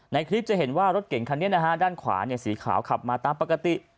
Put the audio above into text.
ในคลิปจะเห็นว่ารถเก่งคันนี้นะฮะด้านขวาสีขาวขับมาตามปกติ